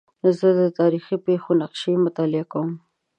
زه د تاریخي پېښو نقشې مطالعه کوم.